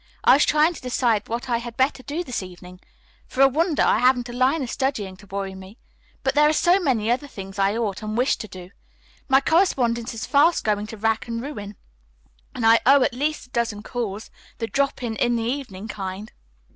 I was trying to decide what I had better do this evening. For a wonder, I haven't a line of studying to worry me. But there are so many other things I ought and wish to do. My correspondence is fast going to rack and ruin, and I owe at least a dozen calls, the drop in in the evening kind.